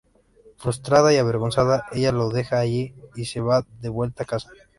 Frustrada y avergonzada, ella lo deja allí y se va de vuelta a casa.